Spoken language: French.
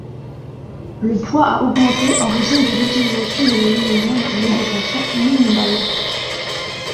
Le poids a augmenté en raison de l'utilisation de l'aluminium mais de façon minimale.